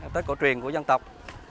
tết cổ truyền của dân tộc